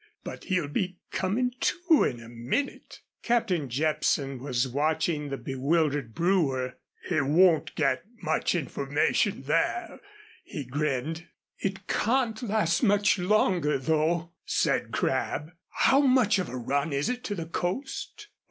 But he'll be coming to in a minute." Captain Jepson was watching the bewildered brewer. "He won't get much information there," he grinned. "It can't last much longer, though," said Crabb. "How much of a run is it to the coast?"